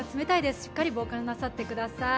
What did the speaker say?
しっかり防寒なさってください。